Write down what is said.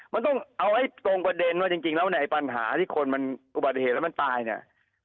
มันต้องเอาให้ตรงประเด็นว่าจริงแล้วเนี่ยไอ้ปัญหาที่คนมันอุบัติเหตุแล้วมันตายเนี่ย